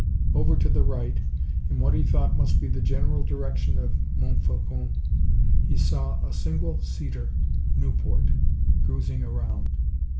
Over to the right, in what he thought must be the general direction of Montfaucon, he saw a single seater Nieuport cruising around.